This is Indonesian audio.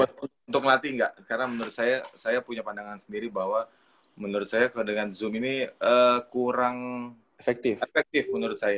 untuk latih enggak karena menurut saya saya punya pandangan sendiri bahwa menurut saya dengan zoom ini kurang efektif menurut saya